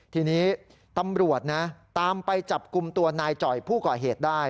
ทีนี้ตำรวจนะตามไปจับกลุ่มตัวนายจ่อยผู้ก่อเหตุได้